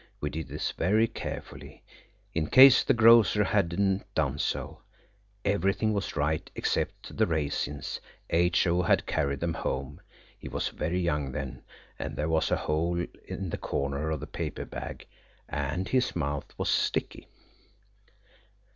We did this very carefully, in case the grocer had not done so. Everything was right except the raisins. H.O. had carried them home. He was very young then, and there was a hole in the corner of the paper bag and his mouth was sticky.